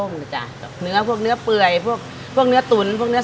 น้ำปื่อยน้ำตุ๋นน้ำสด